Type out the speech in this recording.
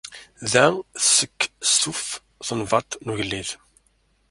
Da tsekstuf tenbaḍt n ugellid.